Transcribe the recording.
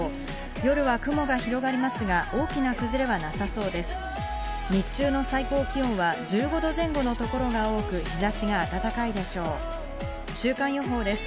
夜は雲が広がりますが、大きな崩れはなさそうです。